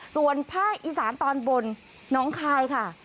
ส่วนภาคอีสานตอนบนน้องคายค่ะ